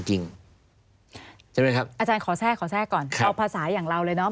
ใช่ไหมครับอาจารย์ขอแทรกขอแทรกก่อนเอาภาษาอย่างเราเลยเนาะ